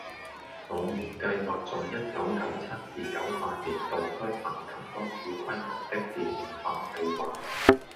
我們計劃在一九九七至九八年度推行更多小規模的電腦化計劃